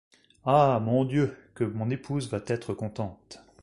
Ah! mon Dieu, que mon épouse va-t-être contente !